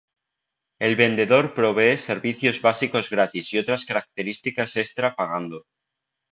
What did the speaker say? El vendedor provee servicios básicos gratis y otras características extra pagando.